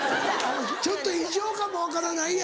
「ちょっと異常かも分からない」や。